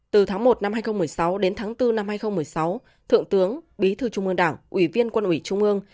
từ tháng một năm hai nghìn một mươi sáu đến tháng bốn năm hai nghìn một mươi sáu thượng tướng bí thư trung ương đảng ủy viên quân ủy trung ương